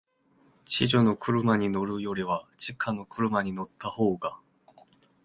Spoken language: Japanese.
地上の車に乗るよりは、地下の車に乗ったほうが、